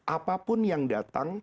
apapun yang datang